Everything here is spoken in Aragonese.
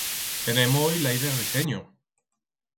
Tenem hoi l'aire ricenyo.